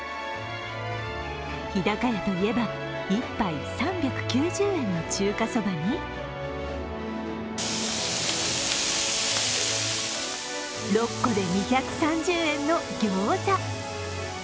日高屋といえば、１杯３９０円の中華そばに、６個で２３０円のギョーザ。